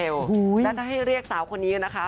แล้วถ้าให้เรียกสาวคนนี้นะคะ